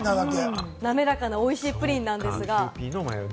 滑らかなおいしいプリンなんですが。